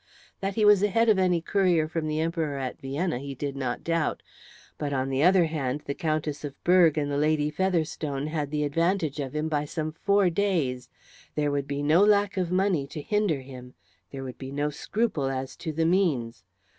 That he was ahead of any courier from the Emperor at Vienna he did not doubt, but, on the other hand, the Countess of Berg and Lady Featherstone had the advantage of him by some four days. There would be no lack of money to hinder him; there would be no scruple as to the means.